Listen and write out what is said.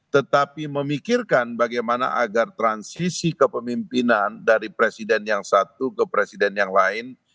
tetapi memikirkan bagaimana agar transisi kepemimpinan dari presiden yang satu ke presiden yang lain